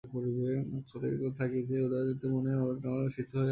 দিনকতক থাকিতে থাকিতে উদয়াদিত্যের মনের ভাবনা অনেকটা শিথিল হইয়া আসিল।